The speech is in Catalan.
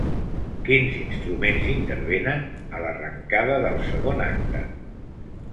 Quins instruments intervenen a l'arrencada del segon acte?